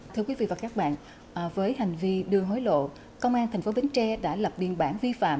thưa quý vị và các bạn với hành vi đưa hối lộ công an tp bến tre đã lập biên bản vi phạm